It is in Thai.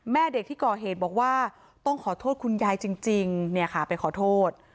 แม่เด็กที่ก่อเหตุบอกว่าต้องขอโทษคุณยายจริงเนี่ยค่ะไปขอโทษ